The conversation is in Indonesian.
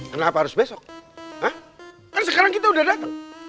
kenapa harus besok hah kan sekarang kita udah dateng